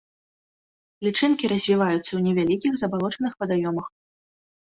Лічынкі развіваюцца ў невялікіх забалочаных вадаёмах.